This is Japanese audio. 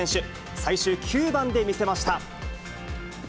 最終９番で見せました。